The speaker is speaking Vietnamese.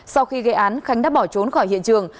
sau khi gây án khánh đã bỏ trốn khỏi hiện trường